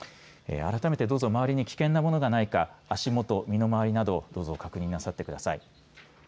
改めてどうぞ周り危険なものがないか足元、身の回りなどどうぞ確認なさってください。